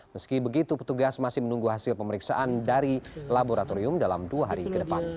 meski begitu petugas masih menunggu hasil pemeriksaan dari laboratorium dalam dua hari ke depan